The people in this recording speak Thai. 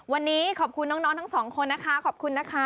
วันนี้ขอบคุณน้องทั้งสองคนนะคะขอบคุณนะคะ